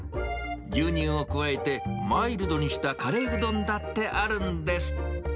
牛乳を加えてマイルドにしたカレーうどんだってあるんです。